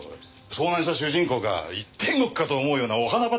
遭難した主人公が天国かと思うようなお花畑だよ。